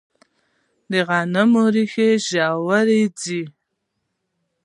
د غنمو ریښې ژورې ځي.